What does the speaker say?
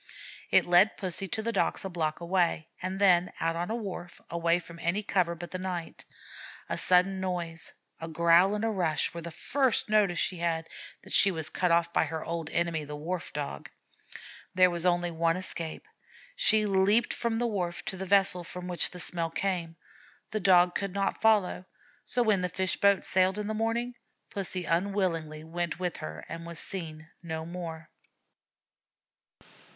It led Pussy to the docks a block away, and then out on a wharf, away from any cover but the night. A sudden noise, a growl and a rush, were the first notice she had that she was cut off by her old enemy, the Wharf Dog. There was only one escape. She leaped from the wharf to the vessel from which the smell came. The Dog could not follow, so when the fish boat sailed in the morning Pussy unwillingly went with her and was seen no more.